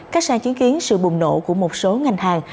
các sàn chứng kiến sự bùng nổ của một số ngành hàng